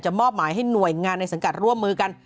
มอบหมายให้หน่วยงานในสังกัดร่วมมือกัน